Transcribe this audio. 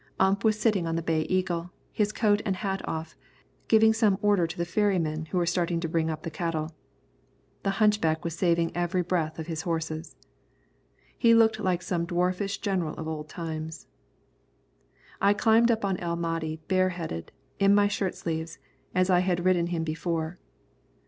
Ump was sitting on the Bay Eagle, his coat and hat off, giving some order to the ferrymen who were starting to bring up the cattle. The hunchback was saving every breath of his horses. He looked like some dwarfish general of old times. I climbed up on El Mahdi bareheaded, in my shirt sleeves, as I had ridden him before.